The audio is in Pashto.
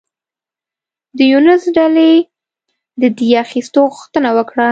د یونس ډلې د دیه اخیستو غوښتنه وکړه.